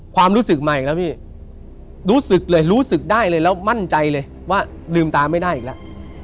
ความรู้สึกมาอีกแล้วพี่รู้สึกเลยรู้สึกได้เลยแล้วมั่นใจเลยว่าลืมตาไม่ได้อีกแล้ว